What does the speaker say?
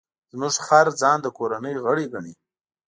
زموږ خر ځان د کورنۍ غړی ګڼي.